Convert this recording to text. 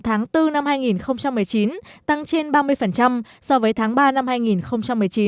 tháng bốn năm hai nghìn một mươi chín tăng trên ba mươi so với tháng ba năm hai nghìn một mươi chín